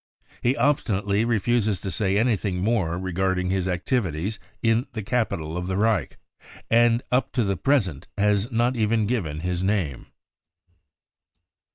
44 He obstinately refuses to say anything more regarding his activities in the capital of the Reich, and up to the present has not even given his name."